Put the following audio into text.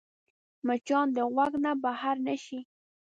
مچان د غوږ نه بهر نه شي